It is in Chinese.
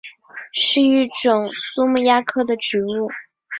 是一种苏木亚科的植物。